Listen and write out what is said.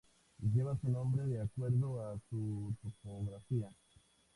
Lleva su nombre de acuerdo a su topografía.